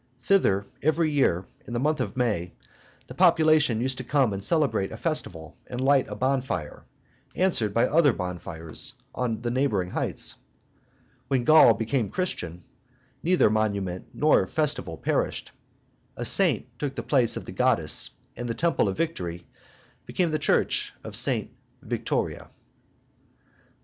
Thither, every year, in the month of May, the population used to come and celebrate a festival and light a bonfire, answered by other bonfires on the neighboring heights. When Gaul became Christian, neither monument nor festival perished; a saint took the place of the goddess, and the temple of Victory became the church of St. Victoire.